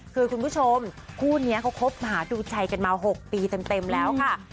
คือคุณผู้ชมคู่นี้เขาคบหาดูใจกันมา๖ปีเต็มแล้วค่ะ